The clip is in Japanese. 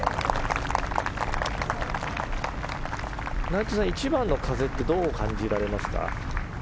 内藤さん、１番の風はどう感じられますか？